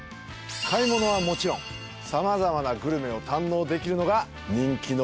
買い物はもちろんさまざまなグルメを堪能できるのが、人気の秘密。